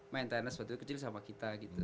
main tenis waktu kecil sama kita gitu